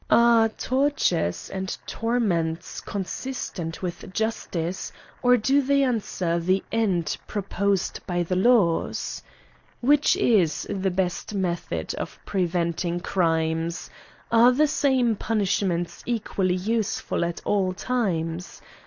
Are tortures and torments consistent with justice^ or do they answer the end proposed by the laws ? Which is the best method of preventing crimes? Are the same punishments equally useful at all times